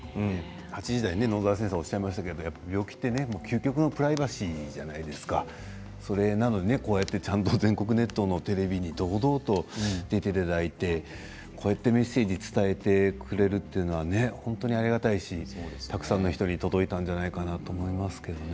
８時台野澤先生がおっしゃいましたが病気って究極のプライバシーじゃないですかそれなのにこうやって全国ネットのテレビに堂々と出ていただいてこうやってメッセージを伝えてくれるというのは本当にありがたいしたくさんの人に届いたんじゃないかなと思いますけどね。